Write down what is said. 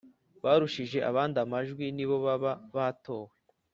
barushije abandi amajwi nibo baba batowe